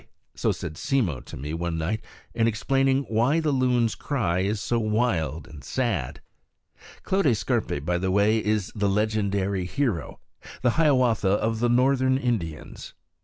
So said Simmo to me one night in explaining why the loon's cry is so wild and sad. Clote Scarpe, by the way, is the legendary hero, the Hiawatha of the northern Indians.